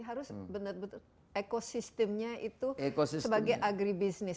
harus benar benar ekosistemnya itu sebagai agribisnis